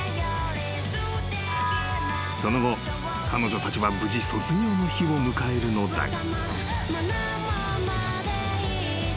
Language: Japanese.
［その後彼女たちは無事卒業の日を迎えるのだが］